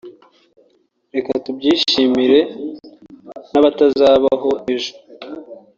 Reka tubyishimire ntabatazabaho ejo